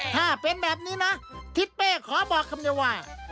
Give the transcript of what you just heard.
ถ้าเป็นแบบนี้นะทิศเป้ขอบอกคำเดียวว่า